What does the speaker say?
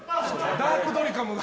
ダークドリカムだ。